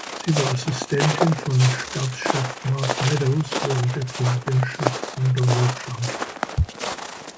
Sie war Assistentin von Stabschef Mark Meadows während der Präsidentschaft von Donald Trump.